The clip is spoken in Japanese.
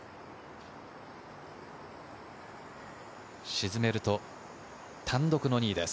沈めると、単独２位です。